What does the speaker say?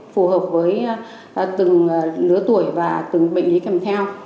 phù hợp với từng lứa tuổi và từng bệnh lý kèm theo